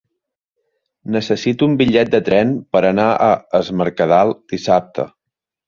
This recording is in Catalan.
Necessito un bitllet de tren per anar a Es Mercadal dissabte.